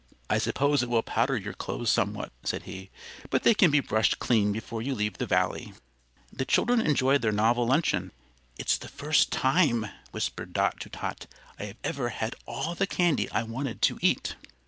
"I suppose it will powder your clothes somewhat," said he, "but they can be brushed clean before you leave the Valley." The children enjoyed their novel luncheon. "It's the first time," whispered Dot to Tot, "I ever had all the candy I wanted to eat."